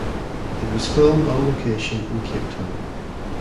It was filmed on location in Cape Town.